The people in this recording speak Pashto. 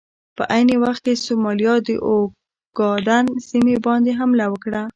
په عین وخت کې سومالیا د اوګادن سیمې باندې حمله وکړه.